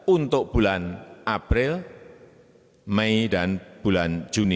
untuk bulan april mei dan bulan juni dua ribu dua puluh